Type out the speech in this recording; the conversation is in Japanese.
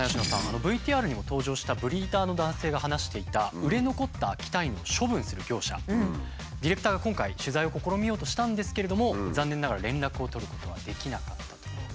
ＶＴＲにも登場したブリーダーの男性が話していたディレクターが今回取材を試みようとしたんですけれども残念ながら連絡を取ることはできなかったと。